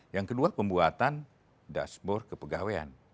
yang kedua pembuatan dashboard kepegawaian